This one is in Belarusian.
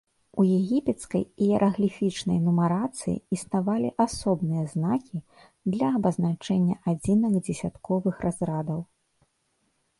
У егіпецкай іерагліфічнай нумарацыі існавалі асобныя знакі для абазначэння адзінак дзесятковых разрадаў.